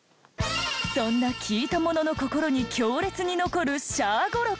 そんな聞いた者の心に強烈に残るシャア語録。